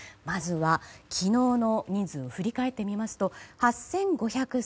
まずは昨日の人数を振り返ってみますと８５０３人。